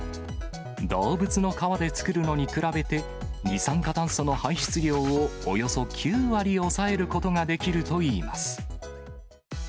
動物の革で作るのに比べて、二酸化炭素の排出量をおよそ９割抑えることができるといいます。